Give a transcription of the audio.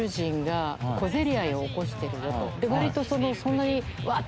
割とそんなにわっ！